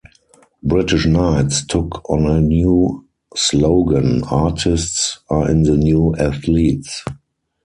British Knights took on a new slogan, Artists are the new athletes.